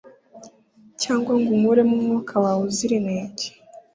cyangwa ngo unkuremo umwuka wawe uzira inenge